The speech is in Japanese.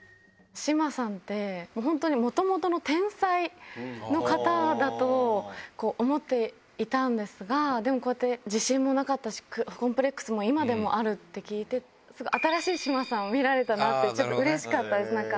志麻さんって、本当にもともとの天才の方だと思っていたんですが、でもこうやって自信もなかったし、コンプレックスも今でもあるって聞いて、新しい志麻さんを見られたなって、ちょっとうれしかったです、なんか。